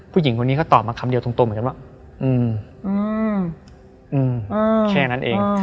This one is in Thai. ผู้หญิงคนนี้ก็ตอบมาคำเดียวตรงเหมือนกันว่าแค่นั้นเอง